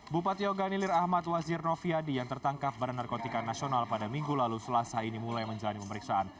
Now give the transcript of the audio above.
bupat yoganilir ahmad wazir noviadi yang tertangkap pada narkotika nasional pada minggu lalu selasa ini mulai menjalani pemeriksaan